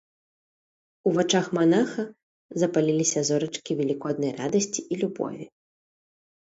У вачах манаха запаліліся зорачкі велікоднай радасці і любові.